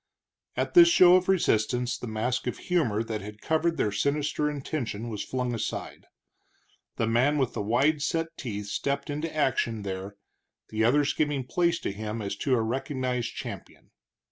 At this show of resistance the mask of humor that had covered their sinister intention was flung aside. The man with the wide set teeth stepped into action there, the others giving place to him as to a recognized champion.